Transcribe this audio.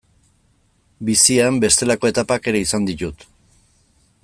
Bizian bestelako etapak ere izan ditut.